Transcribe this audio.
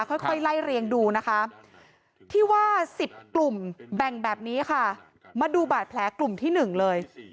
ค่อยไล่เรียงดูนะคะที่ว่า๑๐กลุ่มแบ่งแบบนี้ค่ะมาดูบาดแผลกลุ่มที่๑เลย